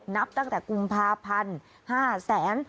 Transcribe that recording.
นับตั้งแต่กรุงภาพันธุ์๕๐๐๐บาท